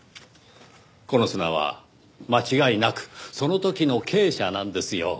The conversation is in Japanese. この砂は間違いなくその時の珪砂なんですよ。